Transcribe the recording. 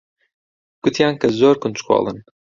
گوتیان کە زۆر کونجکۆڵن.